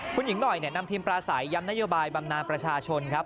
คุณหญิงหน่อยนำทีมปลาใสย้ำนโยบายบำนานประชาชนครับ